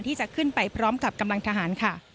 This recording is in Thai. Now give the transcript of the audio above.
ที่จะขึ้นไปพร้อมกับกำลังทหารค่ะ